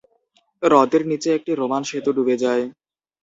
হ্রদের নিচে একটি রোমান সেতু ডুবে যায়।